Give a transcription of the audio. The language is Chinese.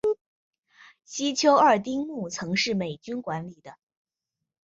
西丘二丁目曾是美军管理的。